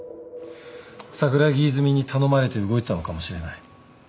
桜木泉に頼まれて動いてたのかもしれない。